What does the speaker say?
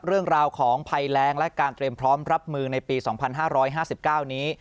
เรื่องราวของภัยแรงและการเตรียมพร้อมรับมือในปี๒๕๕๙นี้